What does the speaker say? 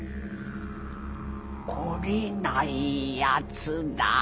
懲りないやつだ。